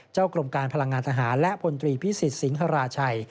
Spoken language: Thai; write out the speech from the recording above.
กรมการพลังงานทหารและพลตรีพิสิทธิสิงหราชัย